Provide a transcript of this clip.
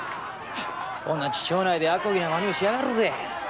同じ町内であこぎな真似をしやがるぜ！